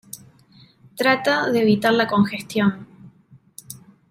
Trata de evitar la congestión.